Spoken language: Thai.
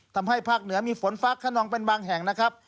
ทำให้ภาคเหนือมีฝนฟ้าขนองเป็นบางแห่งนะครับ